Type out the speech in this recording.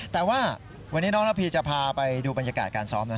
แต่ว่าวันนี้น้องระพีจะพาไปดูบรรยากาศการซ้อมนะ